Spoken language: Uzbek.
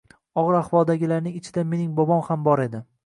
Og`ir ahvoldagilarning ichida mening bobom ham bor edi